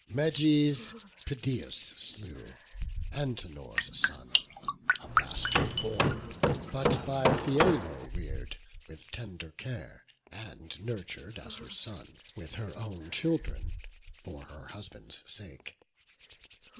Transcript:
Meges Pedaeus slew, Antenor's son, A bastard born, but by Theano rear'd With tender care, and nurtur'd as her son, With her own children, for her husband's sake.